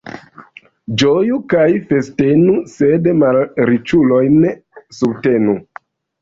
Ĝoju kaj festenu, sed malriĉulojn subtenu.